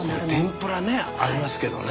天ぷらねありますけどね。